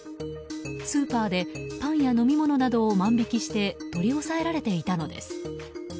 スーパーでパンや飲み物などを万引きして取り押さえられていたのです。